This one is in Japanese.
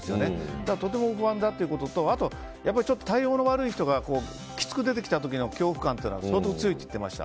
だからとても不安だということとあと対応の悪い人がきつく出てきた時の恐怖感というのは相当強いと言っていました。